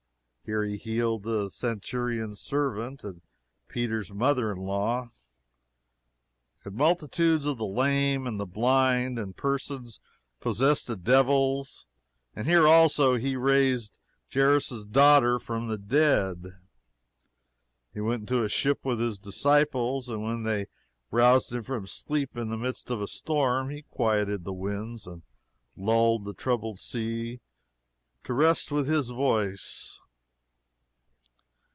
Here he healed the centurion's servant and Peter's mother in law, and multitudes of the lame and the blind and persons possessed of devils; and here, also, he raised Jairus's daughter from the dead. He went into a ship with his disciples, and when they roused him from sleep in the midst of a storm, he quieted the winds and lulled the troubled sea to rest with his voice.